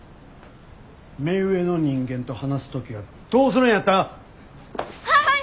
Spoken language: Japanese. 目上の人間と話す時はどうするんやった！？ははい！